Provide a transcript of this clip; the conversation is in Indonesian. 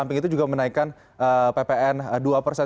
samping itu juga menaikkan ppn dua persen